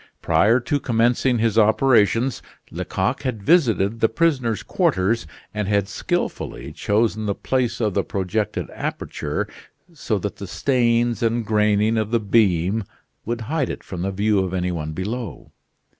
Prior to commencing his operations, Lecoq had visited the prisoner's quarters and had skilfully chosen the place of the projected aperture, so that the stains and graining of the beam would hide it from the view of any one below.